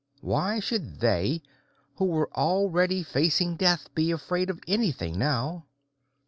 Why should they, who were already facing death, be afraid of anything now?